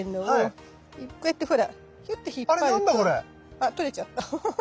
あっ取れちゃった。